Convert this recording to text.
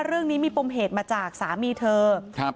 เรื่องนี้มีปมเหตุมาจากสามีเธอครับ